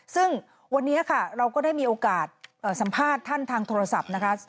ซึ่งวันนี้ค่ะเราก็ได้มีโอกาสสัมภาษณ์ท่านทางโทรศัพท์นะคะ